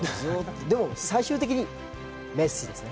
でも最終的にメッシですね。